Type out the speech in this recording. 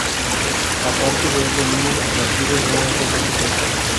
Aparte de otro niño, nacido no hace mucho tiempo.